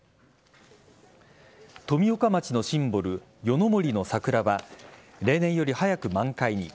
富岡町のシンボル、夜の森の桜は例年より早く満開に。